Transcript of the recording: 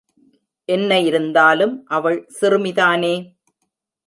என்ன இருந்தாலும் அவள் சிறுமிதானே?